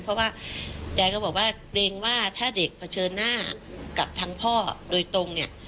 เพราะว่ายายก็บอกว่าเกรงว่าถ้าเด็กเผชิญหน้ากับทางพ่อโดยตรงเนี่ย